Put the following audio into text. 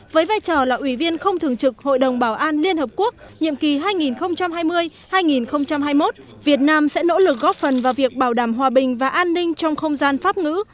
với vai trò là ủy viên không thường trực hội đồng bảo an liên hợp quốc nhiệm kỳ hai nghìn hai mươi hai nghìn hai mươi một việt nam sẽ nỗ lực góp phần vào việc bảo đảm hòa bình và an ninh trong không gian pháp ngữ